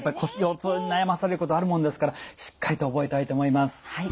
腰腰痛に悩まされることあるもんですからしっかりと覚えたいと思います。